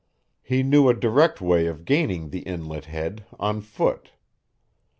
He knew a direct way of gaining the Inlet head on foot.